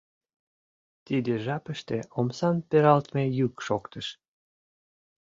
Тиде жапыште омсам пералтыме йӱк шоктыш.